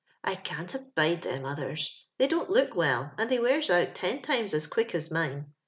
I can't abide them othen; they don't look well, and thoy wears out ten times as quick as mine.